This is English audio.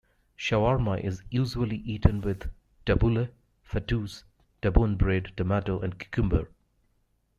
Shawarma is usually eaten with tabbouleh, fattoush, taboon bread, tomato, and cucumber.